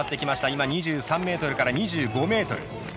今、２３ｍから２５ｍ。